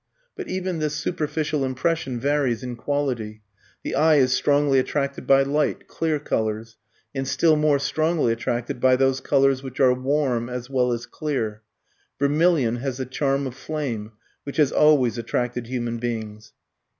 But even this superficial impression varies in quality. The eye is strongly attracted by light, clear colours, and still more strongly attracted by those colours which are warm as well as clear; vermilion has the charm of flame, which has always attracted human beings.